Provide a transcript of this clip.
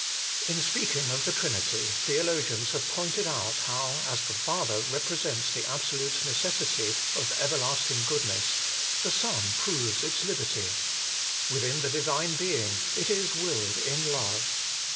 In speaking of the Trinity, theologians have pointed out how, as the Father represents the absolute necessity of Everlasting Goodness, the Son proves its liberty : within the Divine Being it is willed in love.